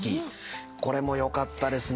これもよかったですね。